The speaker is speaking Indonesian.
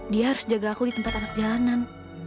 dia harus jaga aku di tempat anak jalanan